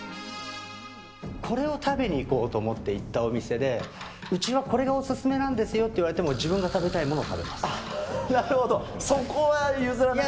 これを食べに行こうと思って行ったお店で、うちはこれがお勧めなんですよっていわれても自分なるほど、そこは譲らない？